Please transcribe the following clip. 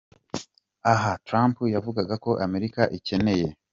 Aha Trump yavugaga ko Amerika ikeneye.